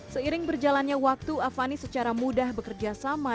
seiring berjalannya waktu avani secara mudah bekerja sama